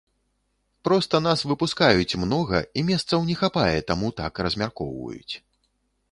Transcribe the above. Проста нас выпускаюць многа, і месцаў не хапае, таму так размяркоўваюць.